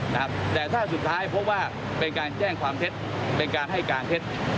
นะครับแต่ถ้าสุดท้ายพบว่าเป็นการแจ้งความเท็จเป็นการให้การเท็จ